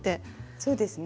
そうですね